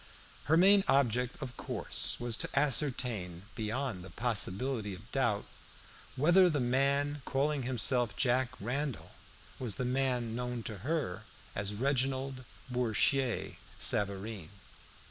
Her main object, of course, was to ascertain, beyond the possibility of doubt, whether the man calling himself Jack Randall was the man known to her as Reginald Bourchier Savareen.